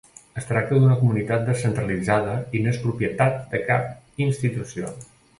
Es tracta d'una comunitat descentralitzada i no és propietat de cap institució.